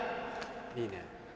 いいね。